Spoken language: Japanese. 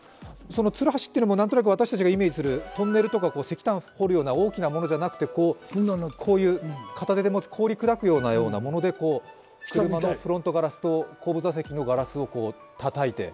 つるはしっていうのも、何となく私たちがイメージする、トンネルとか石炭を掘るような大きなものではなくてこういう片手で持つ氷を砕くようなもので車のフロントガラスと後部座席のガラスをたたいて。